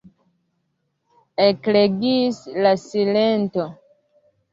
Ekregis la silento.